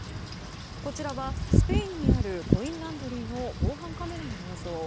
こちらはスペインにあるコインランドリーの防犯カメラの映像。